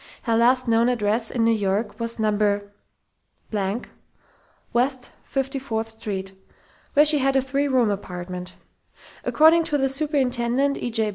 Her last known address in New York was No. West 54th St., where she had a three room apartment. According to the superintendent, E. J.